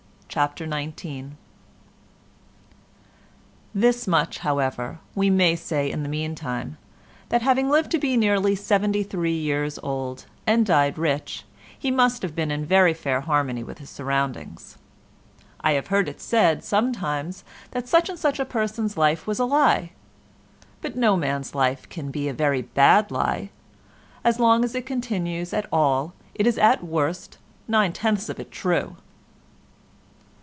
CHAPTER XIX This much, however, we may say in the meantime, that having lived to be nearly seventy three years old and died rich he must have been in very fair harmony with his surroundings. I have heard it said sometimes that such and such a person's life was a lie: but no man's life can be a very bad lie; as long as it continues at all it is at worst nine tenths of it true.